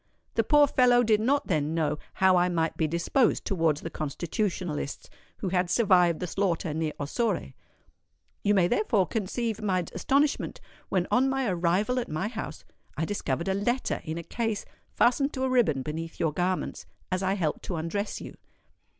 The poor fellow did not then know how I might be disposed towards the Constitutionalists who had survived the slaughter near Ossore. You may therefore conceive my astonishment when on my arrival at my house, I discovered a letter in a case fastened to a riband beneath your garments, as I helped to undress you.